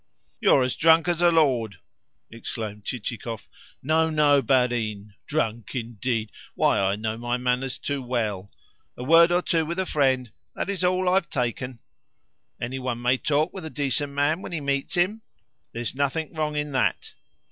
"You are as drunk as a lord!" exclaimed Chichikov. "No, no, barin. Drunk, indeed? Why, I know my manners too well. A word or two with a friend that is all that I have taken. Any one may talk with a decent man when he meets him. There is nothing wrong in that.